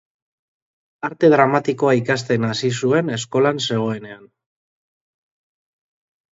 Arte dramatikoa ikasten hasi zuen eskolan zegoenean.